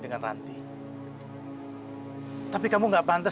calon om five bes tuh mau menggunakan gue